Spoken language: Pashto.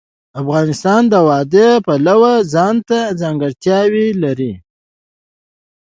افغانستان د وادي د پلوه ځانته ځانګړتیا لري.